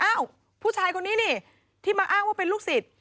ผู้ชายคนนี้นี่ที่มาอ้างว่าเป็นลูกศิษย์